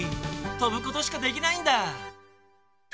とぶことしかできないんだ。